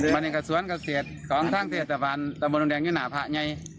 มันกะสวนเกษตรของทางเศรษฐภัณฑ์ตะบนดุงแดงยุนาภะไง